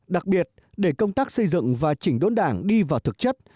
đặc biệt để công tác xây dựng và chỉnh đốn đảng đi vào thực chất